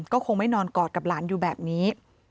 ก็คงไม่นอนกอดกับหลานอยู่แบบนี้